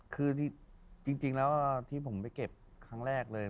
คือจริงแล้วที่ผมไปเก็บครั้งแรกเลย